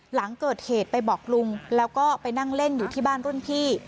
หลังเกิดเหตุไปบอกลุงแล้วก็ไปนั่งเล่นอยู่ที่บ้านรุ่นพี่